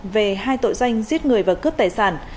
về hai tội danh giết người và cướp tài sản